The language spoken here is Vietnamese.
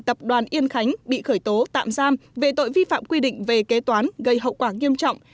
tập đoàn yên khánh bị khởi tố tạm giam về tội vi phạm quy định về kế toán gây hậu quả nghiêm trọng